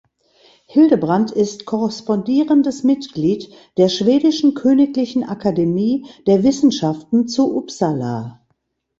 Hildebrandt ist Korrespondierendes Mitglied der schwedischen Königlichen Akademie der Wissenschaften zu Uppsala.